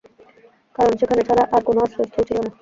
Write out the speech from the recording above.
কারণ সেখানে ছাড়া তার আর কোন আশ্রয়স্থল ছিল না।